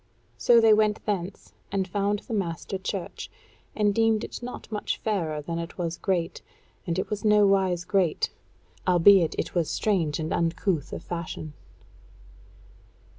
So they went thence, and found the master church, and deemed it not much fairer than it was great; and it was nowise great, albeit it was strange and uncouth of fashion.